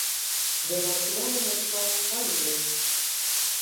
د ماشومانو موسکا خوند لري.